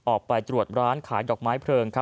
ออกไปตรวจร้านขายดอกไม้เพลิงครับ